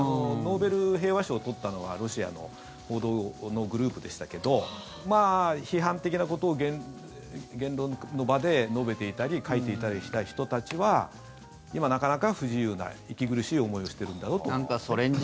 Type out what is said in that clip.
ノーベル平和賞を取ったのはロシアの報道のグループでしたけど批判的なことを言論の場で述べていたり書いていたりした人たちは今、なかなか不自由な息苦しい思いをしてるんだろうと思いますね。